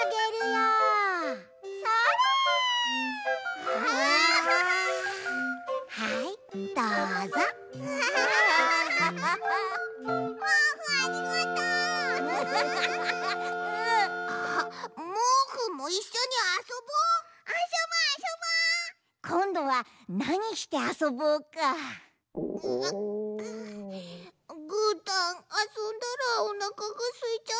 ぐーたんあそんだらおなかがすいちゃったぐ。